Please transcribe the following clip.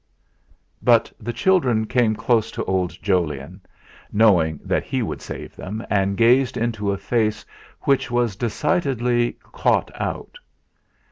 But the children came close to old Jolyon, knowing that he would save them, and gazed into a face which was decidedly 'caught out.'